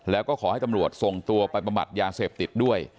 แล้วก็ขอให้ตำรวจส่งตัวไปประบัดยาเสพติดด้วย